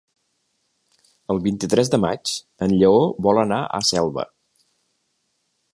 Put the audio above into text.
El vint-i-tres de maig en Lleó vol anar a Selva.